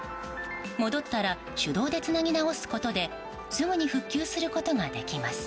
戻ったら手動でつなぎ直すことですぐに復旧することができます。